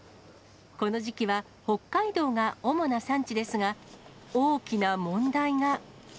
この時期は、北海道が主な産地ですが、大きな問題が。